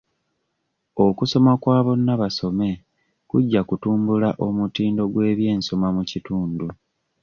Okusoma kwa bonnabasome kujja kutumbbula omutindo gw'ebyensoma mu kitundu.